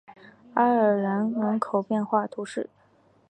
阿尔然人口变化图示